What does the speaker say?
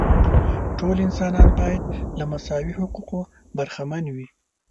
ټول انسانان باید له مساوي حقوقو برخمن وي.